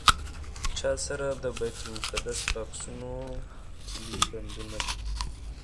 چا سره د بیت المقدس په عکسونو کیلي بندونه دي.